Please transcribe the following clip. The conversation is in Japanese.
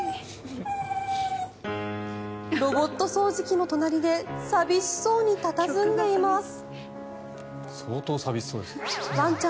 ロボット掃除機の隣で寂しそうに佇んでいます。